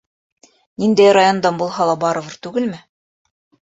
Ниндәй райондан булһа ла барыбер түгелме?